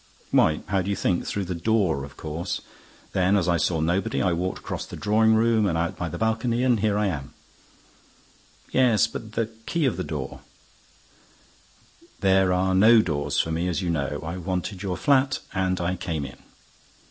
"Why, how do you think? Through the door, of course. Then, as I saw nobody, I walked across the drawing room and out by the balcony, and here I am." "Yes, but the key of the door—?" "There are no doors for me, as you know. I wanted your flat and I came in."